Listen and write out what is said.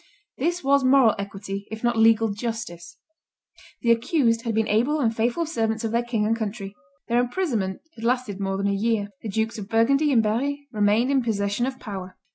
This was moral equity, if not legal justice. The accused had been able and faithful servants of their king and country. Their imprisonment had lasted more than a year. The Dukes of Burgundy and Berry remained in possession of power.